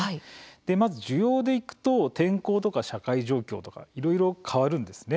まず需要でいくと天候とか社会状況とかいろいろ変わるんですね。